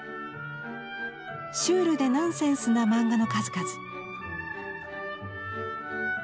シュールでナンセンスな漫画の数々。